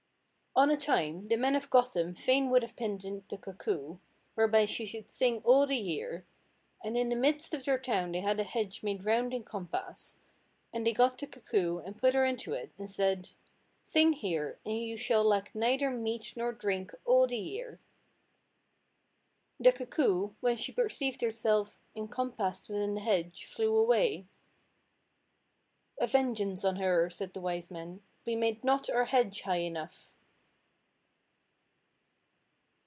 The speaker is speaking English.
On a time the men of Gotham fain would have pinned in the cuckoo, whereby she should sing all the year; and in the midst of the town they had a hedge made round in compass, and they got the cuckoo, and put her into it, and said— "Sing here, and you shall lack neither meat nor drink all the year." The cuckoo, when she perceived herself encompassed within the hedge, flew away. "A vengeance on her," said the wise men, "we made not our hedge high enough."